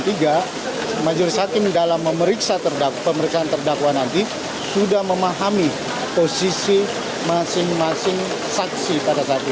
karena majelis hakim dalam pemeriksaan terdakwa nanti sudah memahami posisi masing masing saksi pada saat ini